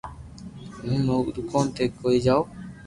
ھون دوڪون تي ڪوئي جاو